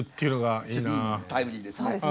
タイムリーですね。